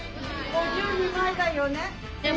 ５２枚だよね。